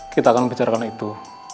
kita akan bicarakan itu